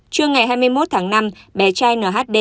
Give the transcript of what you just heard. trưa ngày hai mươi một tháng năm bé trai nhd